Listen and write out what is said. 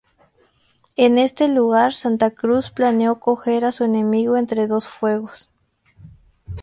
En este lugar Santa Cruz planeó coger a su enemigo entre dos fuegos.